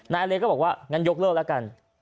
นายอเล็กก็บอกว่างั้นยกเลิกแล้วกัน